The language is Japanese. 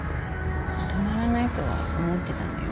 止まらないとは思ってたのよ。